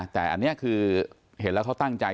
แต่อันนี้คือเห็นแล้วเขาตั้งใจ